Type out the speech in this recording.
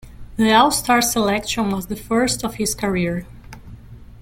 The All-Star selection was the first of his career.